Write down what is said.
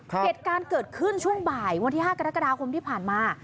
เหตุการณ์เกิดขึ้นช่วงบ่ายวันที่๕กรกฎาคมที่ผ่านมา